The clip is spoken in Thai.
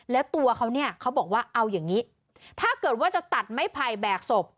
แล้วตัวเขาเนี่ยเขาบอกว่าเอาอย่างนี้ถ้าเกิดว่าจะตัดไม้ไผ่แบกศพ